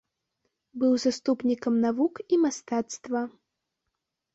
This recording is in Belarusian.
Быў заступнікам навук і мастацтва.